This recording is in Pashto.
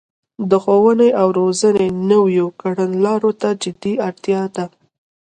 د ښوونې او روزنې نويو کړنلارو ته جدي اړتیا ده